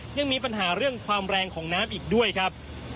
ยังมีปัญหาเรื่องความแรงของน้ำอีกด้วยครับ